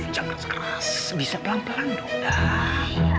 jangan seras bisa pelan pelan dok